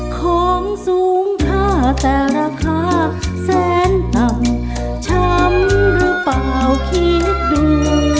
ของสูงค่าแต่ราคาแสนต่ำช้ำหรือเปล่าคิดดู